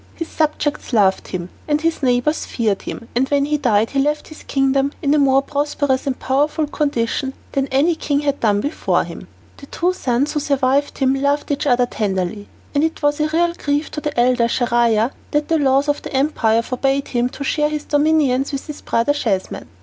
His subjects loved him, and his neighbors feared him, and when he died he left his kingdom in a more prosperous and powerful condition than any king had done before him. The two sons who survived him loved each other tenderly, and it was a real grief to the elder, Schahriar, that the laws of the empire forbade him to share his dominions with his brother Schahzeman.